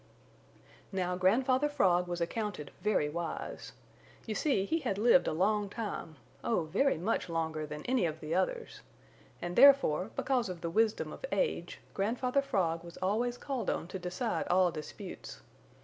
Now Grandfather Frog was accounted very wise. You see he had lived a long time, oh, very much longer than any of the others, and therefore, because of the wisdom of age, Grandfather Frog was always called on to decide all disputes.